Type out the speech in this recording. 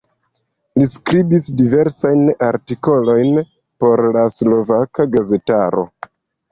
Li skribis diversajn artikolojn por la slovaka gazetaro.